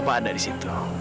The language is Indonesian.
bapak ada di situ